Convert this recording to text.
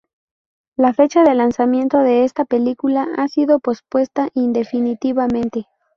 La fecha de lanzamiento de esta película ha sido pospuesta indefinidamente.